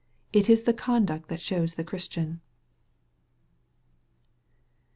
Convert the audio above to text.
"It is the conduct that shows the Christian."